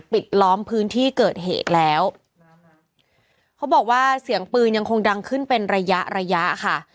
ล้อมพื้นที่เกิดเหตุแล้วเขาบอกว่าเสียงปืนยังคงดังขึ้นเป็นระยะระยะค่ะ